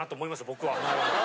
僕は。